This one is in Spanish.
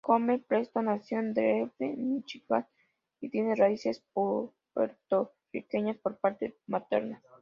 Gomez-Preston nació en Detroit, Míchigan y tiene raíces puertorriqueñas por parte materna.